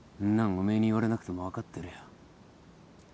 おめえに言われなくても分かってるよ。